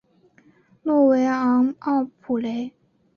诺维昂奥普雷。